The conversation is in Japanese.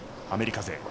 アメリカ勢。